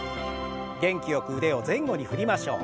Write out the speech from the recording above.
元気よく腕を前後に振りましょう。